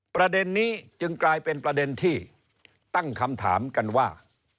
ประเด็นนี้จึงกลายเป็นประเด็นที่ตั้งคำถามกันว่า